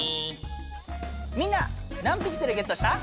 みんな何ピクセルゲットした？